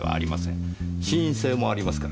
心因性もありますからねぇ。